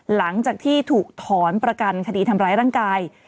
หลังจากที่ถูกถอนประกันคดีทำร้ายร่างกาย